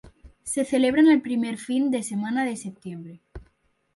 Se celebran el primer fin de semana de septiembre.